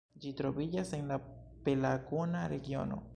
Ĝi troviĝas en la Pelagona regiono.